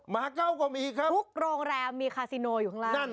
เก้าก็มีครับทุกโรงแรมมีคาซิโนอยู่ข้างล่างนั่น